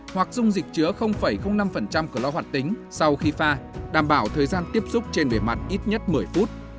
hoặc dung dịch chứa năm của lo hoạt tính sau khi pha đảm bảo thời gian tiếp xúc trên bề mặt ít nhất một mươi phút